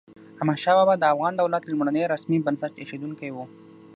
احمد شاه بابا د افغان دولت لومړنی رسمي بنسټ اېښودونکی و.